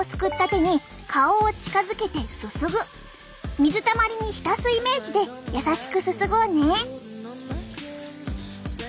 水たまりに浸すイメージで優しくすすごうね。